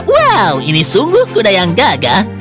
wow ini sungguh kuda yang gagah